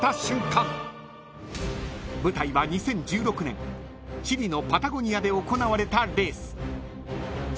［舞台は２０１６年チリのパタゴニアで行われたレース］